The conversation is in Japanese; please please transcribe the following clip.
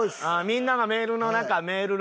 みんながメールの中メール